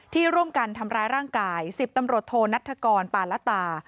ร่วมกันทำร้ายร่างกาย๑๐ตำรวจโทนัฐกรปาละตา